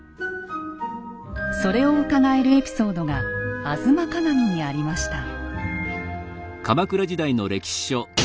それをうかがえるエピソードが「吾妻鏡」にありました。